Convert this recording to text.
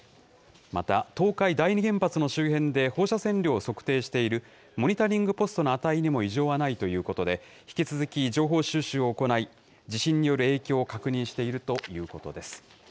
また、東海第二原発の周辺で、放射線量を測定しているモニタリングポストの値にも異常はないということで、引き続き情報収集を行い、地震による影響を確認しているということです。